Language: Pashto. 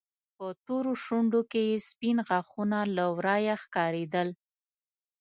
په تورو شونډو کې يې سپين غاښونه له ورايه ښکارېدل.